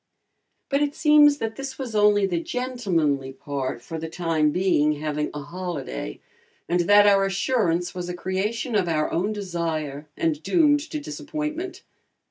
But it seems that this was only the "gentlemanly part," for the time being having a holiday, and that our assurance was a creation of our own desire and doomed to disappointment.